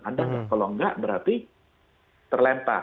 ada nggak kalau nggak berarti terlempar